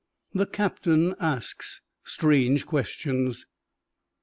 THE CAPTAIN ASKS STRANGE QUESTIONS.